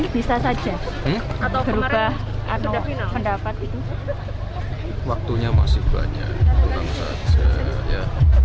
dukungannya untuk satu